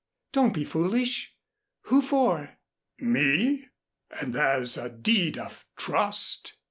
"Don't be foolish. Who for?" "Me. And there's a deed of trust."